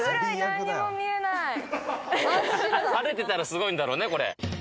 晴れてたらすごいんだろうねこれ。